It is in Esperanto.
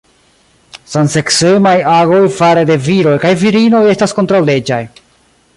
Samseksemaj agoj fare de viroj kaj virinoj estas kontraŭleĝaj.